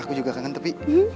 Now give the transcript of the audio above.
aku juga kangen tapi